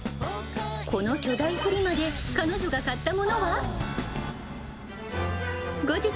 この巨大フリマで、彼女が買ったものは？